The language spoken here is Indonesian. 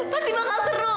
pasti bakal seru